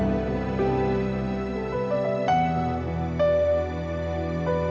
sampai gua lakukan pertemuan